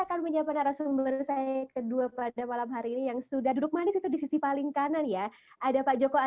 dan pemirsa jnn tentu setehati ya pak ya